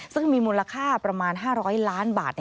ซึ่งมีมูลค่าประมาณ๕๐๐ล้านบาท